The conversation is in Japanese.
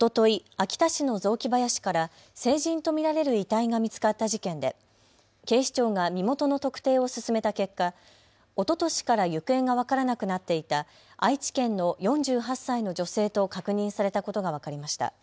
秋田市の雑木林から成人と見られる遺体が見つかった事件で警視庁が身元の特定を進めた結果、おととしから行方が分からなくなっていた愛知県の４８歳の女性と確認されたことが分かりました。